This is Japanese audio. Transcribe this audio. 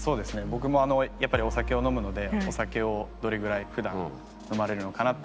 僕もやっぱりお酒を飲むのでお酒をどれぐらい普段飲まれるのかなっていうのは。